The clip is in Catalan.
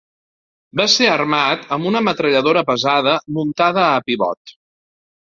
Va ser armat amb una metralladora pesada muntada a pivot.